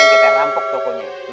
eh ingin kita rampok tokonya